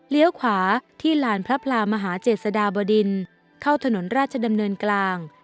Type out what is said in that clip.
ขวาที่ลานพระพลามหาเจษฎาบดินเข้าถนนราชดำเนินกลาง